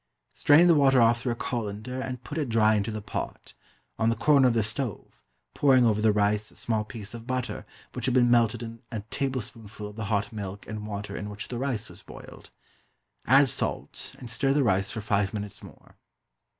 Strain the water off through a colander, and put it dry into the pot, on the corner of the stove, pouring over the rice a small piece of butter, which has been melted in a tablespoonful of the hot milk and water in which the rice was boiled. Add salt, and stir the rice for five minutes more.